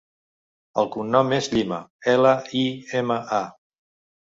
El cognom és Lima: ela, i, ema, a.